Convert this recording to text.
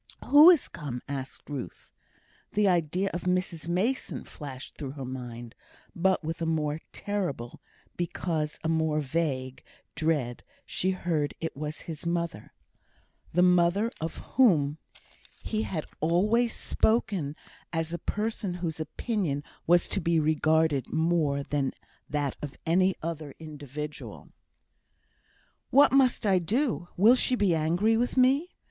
"Who is come?" asked Ruth. The idea of Mrs Mason flashed through her mind but with a more terrible, because a more vague dread, she heard that it was his mother; the mother of whom he had always spoken as a person whose opinion was to be regarded more than that of any other individual. "What must I do? Will she be angry with me?"